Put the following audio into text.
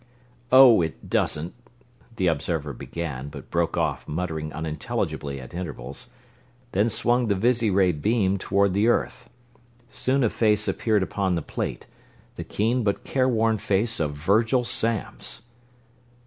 "Oh, it doesn't ..." the observer began, but broke off, muttering unintelligibly at intervals; then swung the visiray beam toward the earth. Soon a face appeared upon the plate, the keen but careworn face of Virgil Samms!